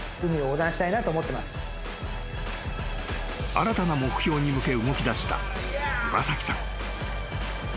［新たな目標に向け動きだした岩崎さん］